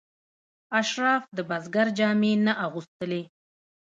اشراف د بزګر جامې نه اغوستلې.